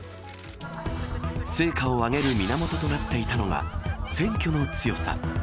成果を上げる源となっていたのが、選挙の強さ。